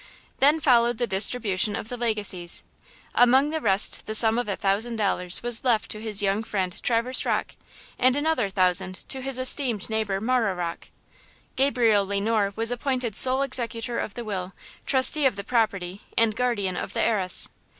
Then followed the distribution of the legacies. Among the rest the sum of a thousand dollars was left to his young friend Traverse Rocke, and another thousand to his esteemed neighbor Marah Rocke. Gabriel Le Noir was appointed sole executor of the will, trustee of the property and guardian of the heiress.